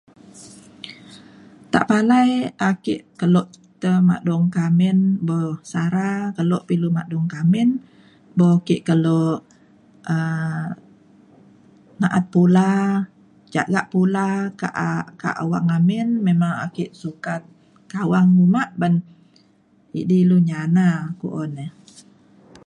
tepalai ake kelo te madung ke amin be sara kelo pa ilu madung ka amin bo ke kelo um na'at pula jagak pula ka a- ka awang amin memang ake sukat ka awang umak ban edi lu nyana ku'un ne